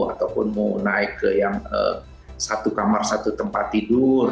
ataupun mau naik ke yang satu kamar satu tempat tidur